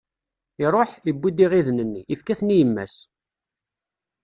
Iṛuḥ, iwwi-d iɣiden-nni, ifka-ten i yemma-s.